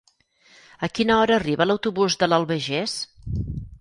A quina hora arriba l'autobús de l'Albagés?